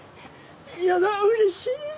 やだうれしい！